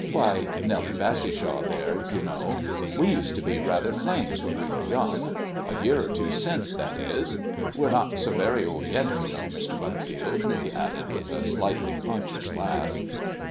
Why, Nellie Bassishaw there, you know we used to be rather flames when we were young. A year or two since, that is. We're not so very old yet, you know, Mr. Butterfield," he added, with a slightly conscious laugh.